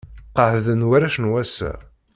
Qeḥḍen warrac n wass-a.